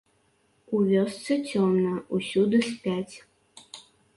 У вёсцы цёмна, усюды спяць.